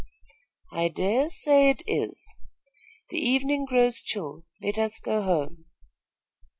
"I dare say it is. The evening grows chill. Let us go home."